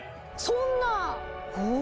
そんなぁ！